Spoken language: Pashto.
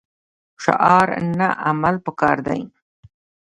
شعار نه عمل پکار دی